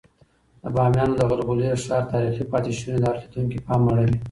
د بامیانو د غلغلي ښار تاریخي پاتې شونې د هر لیدونکي پام اړوي.